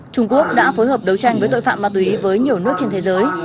trung quốc đã phối hợp đấu tranh với tội phạm ma túy với nhiều nước trên thế giới